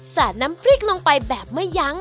สาดน้ำพริกลงไปแบบไม่ยั้ง